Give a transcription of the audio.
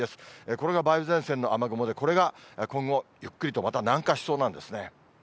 これが梅雨前線の雨雲で、これが今後、ゆっくりとまた南下しそうなんですね。